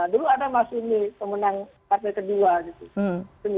dulu ada mas sumi pemenang partai ke dua gitu